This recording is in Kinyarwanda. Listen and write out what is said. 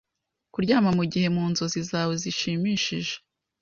kuryama mugihe mu nzozi zawe zishimishije